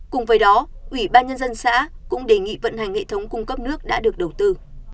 cùng với đó ủy ban nhân dân xã cũng đề nghị vận hành hệ thống cung cấp nước đã được đầu tư